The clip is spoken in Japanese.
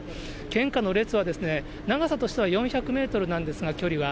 献花の列は長さとしては４００メートルなんですが、距離は。